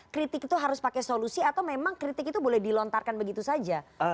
kritik itu harus pakai solusi atau memang kritik itu boleh dilontarkan begitu saja